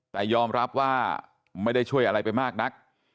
แต่ยอมรับว่าไม่ได้ช่วยอะไรไปมากนัก